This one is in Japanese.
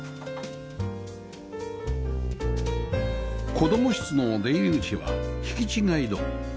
子供室の出入り口は引き違い戸